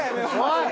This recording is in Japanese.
「おい！」